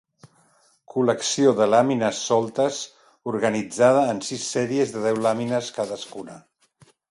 Col·lecció de làmines soltes organitzada en sis sèries de deu làmines cadascuna.